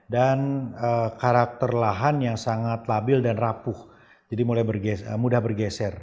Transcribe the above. dan karakter lahan yang sangat labil dan rapuh jadi mudah bergeser